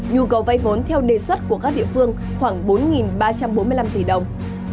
nhu cầu vay vốn theo đề xuất của các địa phương khoảng bốn ba trăm bốn mươi năm tỷ đồng